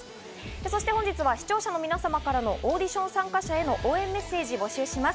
そして本日は視聴者の皆様からのオーディション参加者への応援メッセージを募集します。